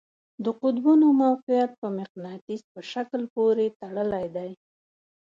د قطبونو موقیعت په مقناطیس په شکل پورې تړلی دی.